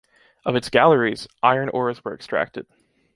Of its galleries, iron ores were extracted.